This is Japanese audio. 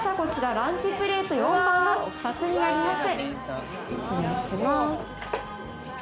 ランチプレート４番がお２つになります。